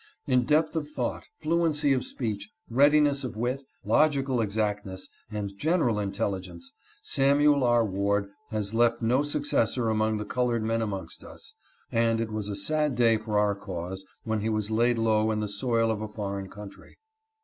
In depth of thought, fluency of speech, readiness of wit, log ical exactness, and general intelligence, Samuel R. Ward has left no successor among the colored men amongst us, and it was a sad day for our cause when he was laid low in the soil of a foreign country.